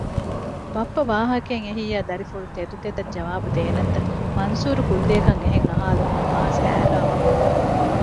ބައްޕަ ވާހަކައެއް އެހިއްޔާ ދަރިފުޅު ތެދުތެދަށް ޖަވާބު ދޭނަންތަ؟ މަންސޫރު ކުއްލިއަކަށް އެހެން އަހާލުމުން މާޒް ހައިރާންވި